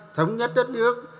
thống nhất đất nước